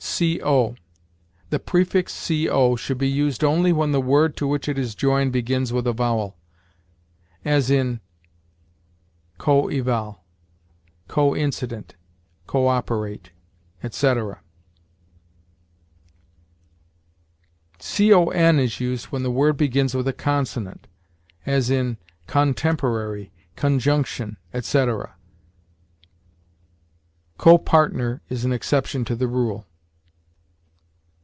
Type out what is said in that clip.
CO. The prefix co should be used only when the word to which it is joined begins with a vowel, as in co eval, co incident, co operate, etc. Con is used when the word begins with a consonant, as in con temporary, con junction, etc. Co partner is an exception to the rule.